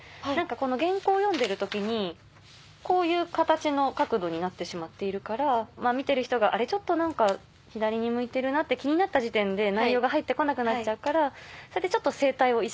原稿を読んでる時にこういう形の角度になってしまっているから見てる人が「あれ？ちょっと左に向いてるな」って気になった時点で内容が入って来なくなっちゃうからそれで。